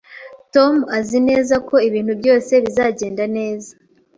Tom azi neza ko ibintu byose bizagenda neza